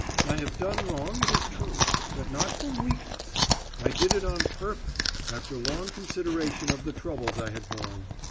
I have done wrong, it is true, but not from weakness. I did it on purpose, after long consideration of the troubles I had borne.